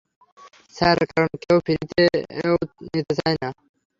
Sir, কারন কেউ ফ্রী-তেও নিতে চায় না।